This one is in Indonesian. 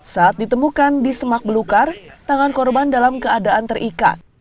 saat ditemukan di semak belukar tangan korban dalam keadaan terikat